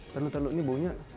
ntar dulu ntar dulu ini baunya